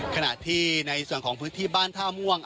ขณะที่ในส่วนของพื้นที่บ้านท่าม่วง